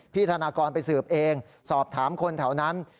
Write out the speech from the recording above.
ธนากรไปสืบเองสอบถามคนแถวนั้น